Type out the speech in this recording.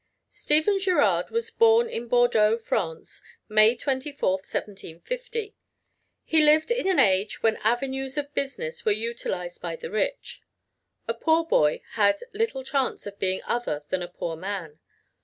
Stephen Girard was born in Bordeaux, France, May 24th, 1750. He lived in an age when avenues of business were utilized by the rich. A poor boy had little chance of being other than a poor man.